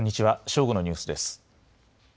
正午のニュースです。